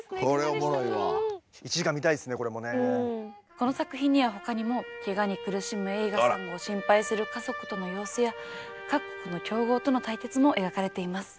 この作品にはほかにもけがに苦しむ栄花さんを心配する家族との様子や各国の強豪との対決も描かれています。